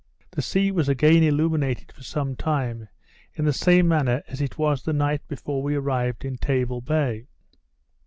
The sea was again illuminated for some time, in the same manner as it was the night before we arrived in Table Bay.